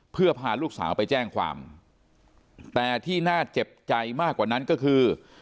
เพื่อพาลูกสาวไปแจ้งความแต่ที่น่าเจ็บใจมากกว่านั้นก็คือ